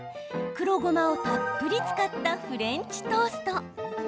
黒ごまをたっぷり使ったフレンチトースト。